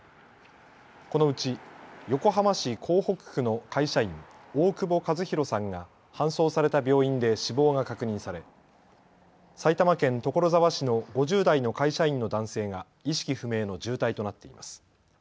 このうち、横浜市港北区の会社員、大久保和弘さんが搬送された病院で死亡が確認され埼玉県所沢市の５０代の会社員の男性が意識不明の重体となっています。